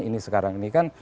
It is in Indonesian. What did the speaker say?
ini sekarang ini kan